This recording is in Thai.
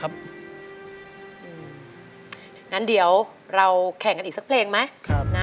งั้นเดี๋ยวเราแข่งกันอีกสักเพลงไหม